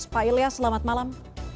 pak ilyas selamat malam